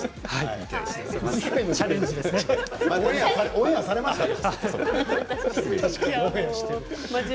オンエアされますからね。